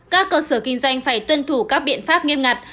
các cơ sở kinh doanh phải tuân thủ các biện pháp nghiêm ngặt